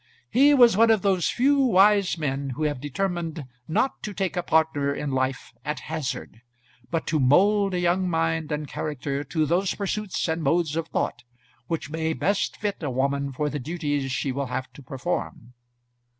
He was one of those few wise men who have determined not to take a partner in life at hazard, but to mould a young mind and character to those pursuits and modes of thought which may best fit a woman for the duties she will have to perform.